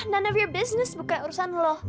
none of your business bukan urusan lo